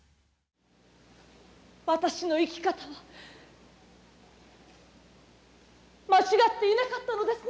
私の生き方は間違っていなかったのですね。